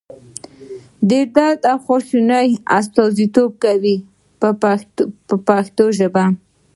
د درد او خواشینۍ استازیتوب کوي په پښتو ژبه.